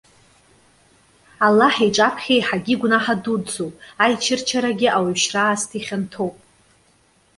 Аллаҳ иҿаԥхьа еиҳагьы игәнаҳа дуӡӡоуп. Аичырчарагьы ауаҩшьра аасҭа ихьанҭоуп.